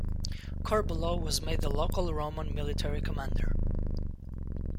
Corbulo was made the local Roman military commander.